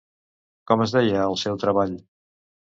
Com es deia el seu treball?